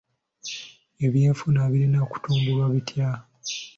Ebyenfuna birina kutumbulwa bitya?